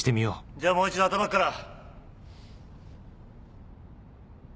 じゃあもう一度頭から。